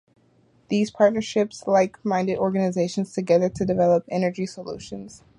These partnerships bring like-minded organizations together to develop energy solutions.